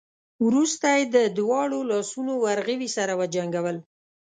وروسته يې د دواړو لاسونو ورغوي سره وجنګول.